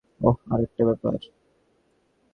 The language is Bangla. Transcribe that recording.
ওহ, আরেকটা ব্যাপার।